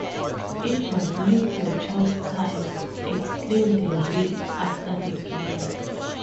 "It was lick-your-chops time", exclaimed Reed after the game.